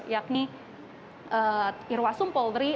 yakni irwasum polri